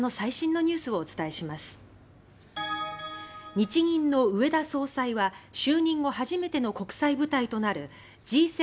日銀の植田総裁は就任後、初めての国際舞台となるＧ７